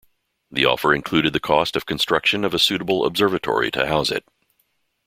The offer included the cost of construction of a suitable observatory to house it.